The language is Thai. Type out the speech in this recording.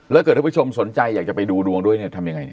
แล้วเกิดทุกผู้ชมสนใจอยากจะไปดูดวงด้วยทำยังไง